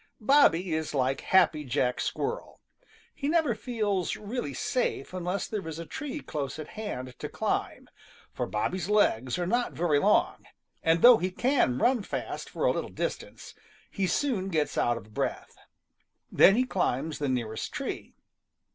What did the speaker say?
Bobby is like Happy Jack Squirrel, he never feels really safe unless there is a tree close at hand to climb, for Bobby's legs are not very long, and though he can run fast for a little distance, he soon gets out of breath. Then he climbs the nearest tree.